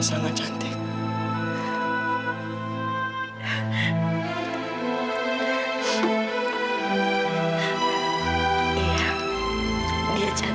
saya ibu hera